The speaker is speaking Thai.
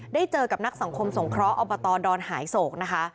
ได้เจอกับนักสังคมสงเคราะห์อบตดอนหายโศกนะคะ